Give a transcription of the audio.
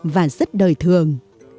và rất đời thường